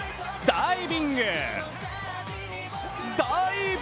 ダイビング！